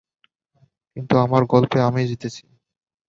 কিন্তু, আমার গল্পে আমিই জিতেছি।